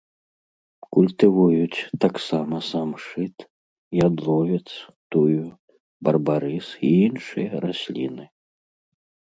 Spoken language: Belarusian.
Культывуюць таксама самшыт, ядловец, тую, барбарыс і іншыя расліны.